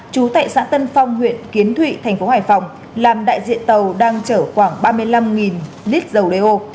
trú tại xã tân phong huyện kiến thụy tp hải phòng làm đại diện tàu đang chở khoảng ba mươi năm lít dầu đeo